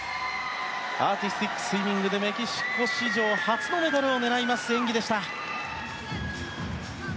アーティスティックスイミングでメキシコ史上初のメダルを狙う演技でした！